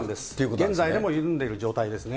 現在でも緩んでいる状態ですね。